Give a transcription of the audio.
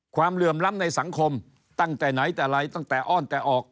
เหลื่อมล้ำในสังคมตั้งแต่ไหนแต่ไรตั้งแต่อ้อนแต่ออก